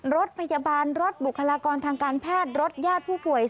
รถพยาบาลรถบุคลากรทางการแพทย์รถญาติผู้ป่วย